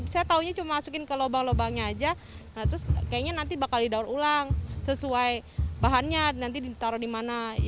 saya taunya cuma masukin ke lubang lubangnya aja terus kayaknya nanti bakal didaur ulang sesuai bahannya nanti ditaruh di mana